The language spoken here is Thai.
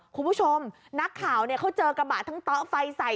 คุณผู้ชมนักข่าวเขาเจอกระบะทั้งโต๊ะไฟใส่